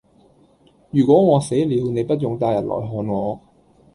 如果我死了你不用帶人來看我